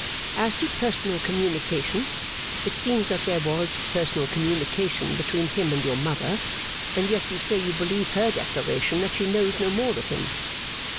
As to personal communication: it seems that there was personal communication between him and your mother. And yet you say you believe her declaration that she knows no more of him!